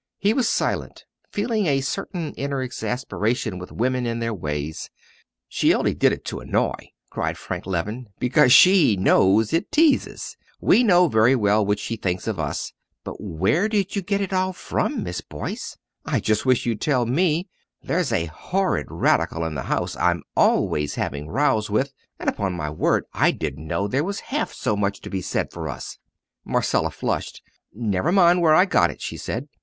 He was silent, feeling a certain inner exasperation with women and their ways. "'She only did it to annoy,'" cried Frank Leven; "'because she knows it teases.' We know very well what she thinks of us. But where did you get it all from, Miss Boyce? I just wish you'd tell me. There's a horrid Radical in the House I'm always having rows with and upon my word I didn't know there was half so much to be said for us!" Marcella flushed. "Never mind where I got it!" she said.